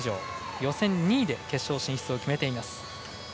予選２位で決勝進出を決めています。